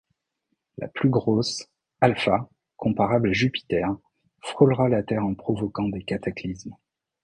La plus grosse, Alpha, comparable à Jupiter, frôlera la Terre en provoquant des cataclysmes.